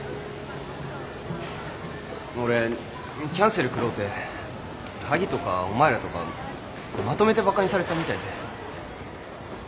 俺キャンセルくろうて萩とかお前らとかまとめてバカにされたみたいで。